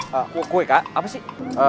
kue kue kak apa sih